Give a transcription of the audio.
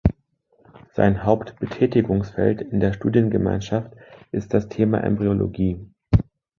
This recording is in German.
Sein Hauptbetätigungsfeld in der Studiengemeinschaft ist das Thema Embryologie.